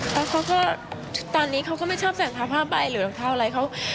แล้วเขาก็ตอนนี้เขาก็ไม่ชอบใส่เท้าผ้าใบหรือรองเท้าอะไรเขา